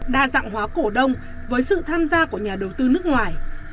đa dạng hóa cổ đông với sự tham gia của nhà đầu tư nước ngoài